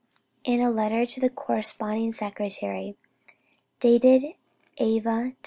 In a letter to the corresponding secretary, dated Ava, Dec.